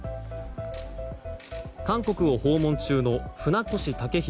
韓国を訪問中の船越健裕